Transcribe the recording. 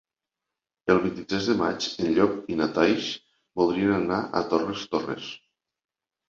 El vint-i-tres de maig en Llop i na Thaís voldrien anar a Torres Torres.